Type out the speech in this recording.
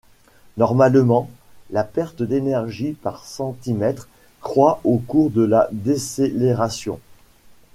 Normalement, la perte d'énergie par centimètre croît au cours de la décélération.